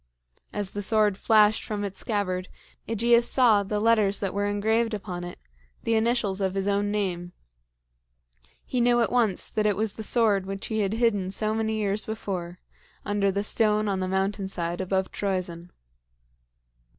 As the sword flashed from its scabbard, AEgeus saw the letters that were engraved upon it the initials of his own name. He knew at once that it was the sword which he had hidden so many years before under the stone on the mountain side above Troezen.